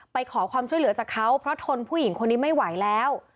ไปขอความช่วยเหลือจากเขาเพราะทนผู้หญิงคนนี้ไม่ไหวแล้ว